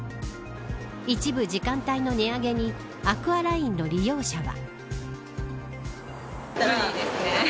一部時間帯の値上げにアクアラインの利用者は。